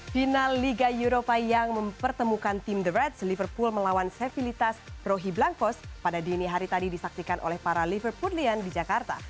final liga eropa yang mempertemukan tim the reds liverpool melawan sevillitas rojiblankos pada dini hari tadi disaktikan oleh para liverpoolian di jakarta